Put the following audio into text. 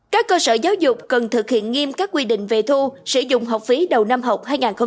các cơ sở giáo dục cần thực hiện nghiêm các quy định về thu sử dụng học phí đầu năm học hai nghìn hai mươi hai nghìn hai mươi một